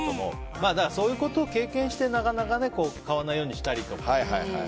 そういうことを経験して買わないようにしたりとか。